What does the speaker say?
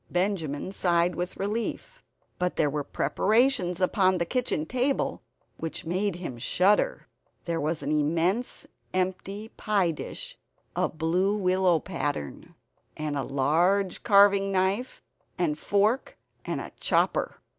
Benjamin sighed with relief. But there were preparations upon the kitchen table which made him shudder. There was an immense empty pie dish of blue willow pattern, and a large carving knife and fork, and a chopper.